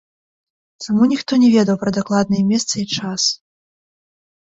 Чаму ніхто не ведаў пра дакладныя месца і час?